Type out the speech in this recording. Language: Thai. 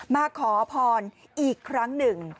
มาขอพรอีกครั้งหนึ่ง